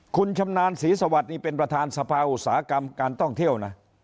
คุณชำนาญศรีสวัสดิ์นี่เป็นประธานสภาอุตสาหกรรมการท่องเที่ยวนะ